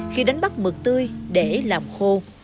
khi đánh bắt mực tươi để làm khô